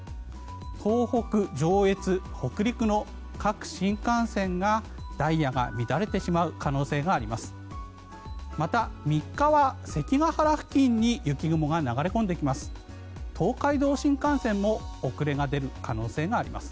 東北、上越、北陸の各新幹線がダイヤが乱れてしまう可能性があります。